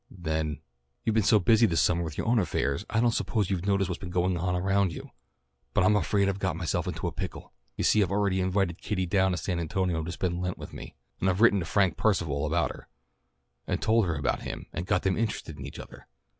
Then, "You've been so busy this summer with your own affairs I don't suppose you've noticed what's been going on around you; but I'm afraid I've got myself into a pickle. You see I've already invited Kitty down to San Antonio to spend Lent with me, and I've written to Frank Percival about her, and told her about him and got them interested in each other.